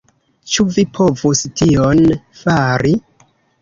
Ĉu vi povus tion fari?